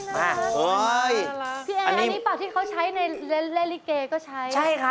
แม่ยกเต็มเหลียค่ะ